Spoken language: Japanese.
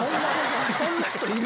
そんな人いる？